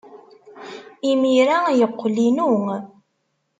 Imir-a, yeqqel inu.